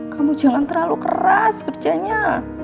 kamu jangan terlalu keras kerjanya